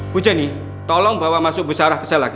bu jenny tolong bawa masuk bu sarah ke sel lagi